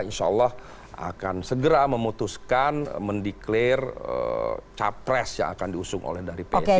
insya allah akan segera memutuskan mendeklarasi capres yang akan diusung oleh dari psi